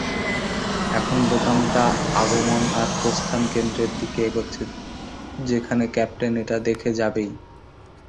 এখন বোতামটা আগমন আর প্রস্থান কেন্দ্রের দিকে এগোচ্ছে, যেখানে ক্যাপ্টেন এটা দেখে যাবেই।